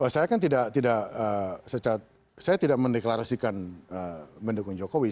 saya kan tidak mendeklarasikan mendukung jokowi